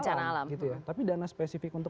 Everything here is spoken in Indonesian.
besar gitu ya tapi dana spesifik untuk